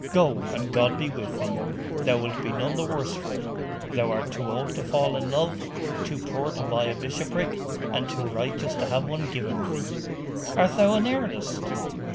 Go, and God be with thee! Thou wilt be none the worse for it. Thou art too old to fall in love, too poor to buy a bishopric, and too righteous to have one given thee.' 'Art thou in earnest?